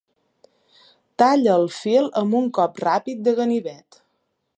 Talla el fil amb un cop ràpid de ganivet.